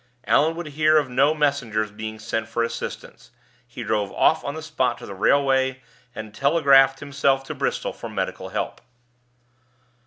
Allan would hear of no messengers being sent for assistance: he drove off on the spot to the railway, and telegraphed himself to Bristol for medical help.